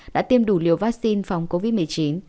đã tiêm đủ liều vaccine phòng covid một mươi chín